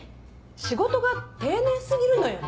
仕事が丁寧過ぎるのよね。